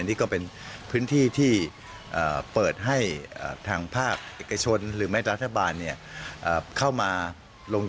อันนี้ก็เป็นพื้นที่ที่เปิดให้ทางภาคเอกชนหรือแม่รัฐบาล